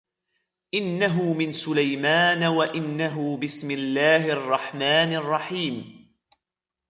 إنه من سليمان وإنه بسم الله الرحمن الرحيم